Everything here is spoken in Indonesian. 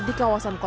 di jawa tengah